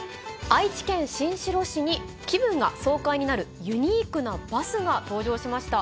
愛知県新城市に、気分が爽快になるユニークなバスが登場しました。